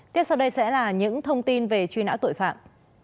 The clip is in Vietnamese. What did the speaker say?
tiếp sau đây sẽ là những thông tin về truy nã tội phạm